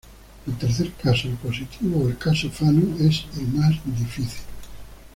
El tercer caso, el positivo o el caso Fano, es el más difícil.